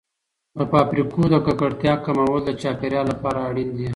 د فابریکو د ککړتیا کمول د چاپیریال لپاره اړین دي.